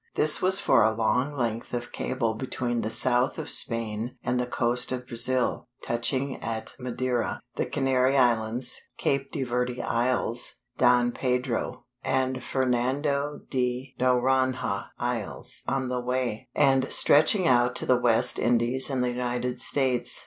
This was for a long length of cable between the south of Spain and the coast of Brazil, touching at Madeira, the Canary Islands, Cape de Verde Isles, Don Pedro, and Fernando de Noronha Isles on the way, and stretching out to the West Indies and the United States.